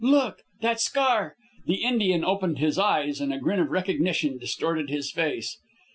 "Look! That scar!" The Indian opened his eyes and a grin of recognition distorted his face.